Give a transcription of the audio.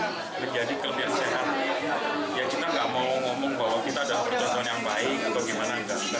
tapi kita lebih mikir buat kita sendiri bahwa ini tuh sehat